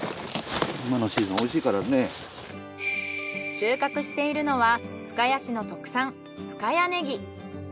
収穫しているのは深谷市の特産深谷ネギ。